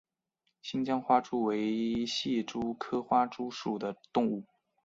新疆花蛛为蟹蛛科花蛛属的动物。